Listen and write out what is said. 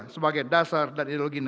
sebagai dasar dan ideologi